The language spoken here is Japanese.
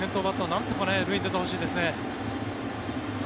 なんとか塁に出てほしいですね。